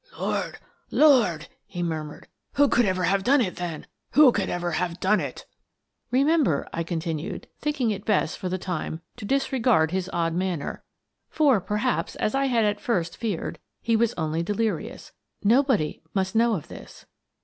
"Lord, Lord!" he murmured. "Who could ever have done it, then? Who ever could have done it?" " Remember," I continued, thinking it best, for the time, to disregard his odd manner, — for, per haps, as I had at first feared, he was only delirious, —" nobody must know of this."